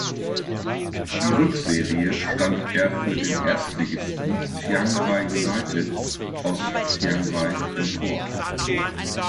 Die Rückserie stand er für den Erstligisten Chiangrai United aus Chiang Rai im Tor.